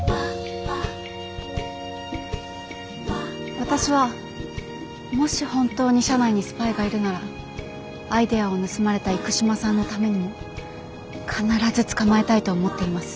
私はもし本当に社内にスパイがいるならアイデアを盗まれた生島さんのためにも必ず捕まえたいと思っています。